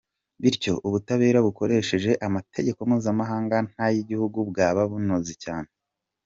Bityo ubutabera bukoresheje amategeko mpuzamahanga n’ay’igihugu bwaba bunoze cyane.